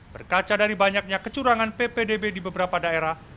berkaca dari banyaknya kecurangan ppdb di beberapa daerah